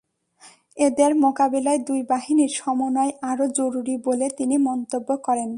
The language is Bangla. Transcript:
এদের মোকাবিলায় দুই বাহিনীর সমন্বয় আরও জরুরি বলে তিনি মন্তব্য করেন।